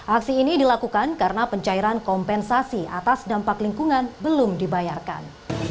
aksi ini dilakukan karena pencairan kompensasi atas dampak lingkungan belum dibayarkan